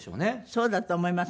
そうだと思います